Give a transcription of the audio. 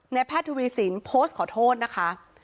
แพทย์ทวีสินโพสต์ขอโทษนะคะ